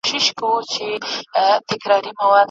له هر ځایه یې مړۍ په خوله کوله